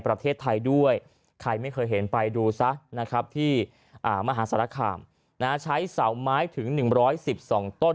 ประเทศไทยด้วยใครไม่เคยเห็นไปดูซะนะครับที่มหาสารคามใช้เสาไม้ถึง๑๑๒ต้น